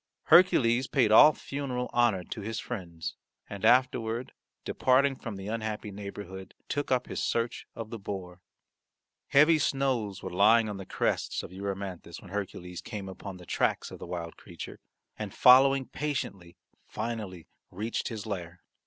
Hercules paid all funeral honour to his friends and afterward departing from the unhappy neighbourhood took up his search of the boar. Heavy snows were lying on the crests of Erymanthus when Hercules came upon the tracks of the wild creature, and following patiently finally reached his lair.